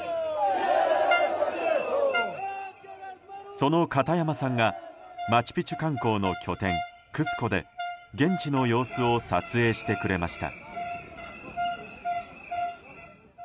その片山さんがマチュピチュ観光の拠点クスコで現地の様子を撮影してくれました。